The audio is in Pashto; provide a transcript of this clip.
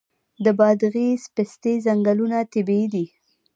د بادغیس پستې ځنګلونه طبیعي دي؟